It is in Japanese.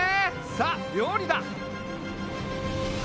さあ料理だ！